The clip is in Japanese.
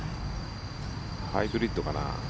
ハイブリッドかな？